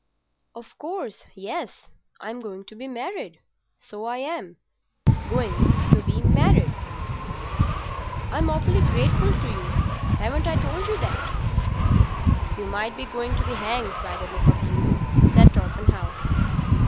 "Of course, yes. I'm going to be married—so I am. Going to be married. I'm awfully grateful to you. Haven't I told you that?" "You might be going to be hanged by the look of you," said Torpenhow.